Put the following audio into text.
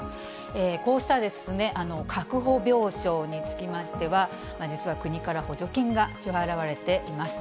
こうした確保病床につきましては、実は国から補助金が支払われています。